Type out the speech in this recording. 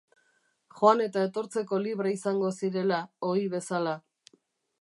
Joan eta etortzeko libre izango zirela, ohi bezala.